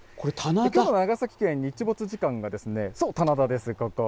きょうの長崎県、日没時間が、そう、棚田です、ここ。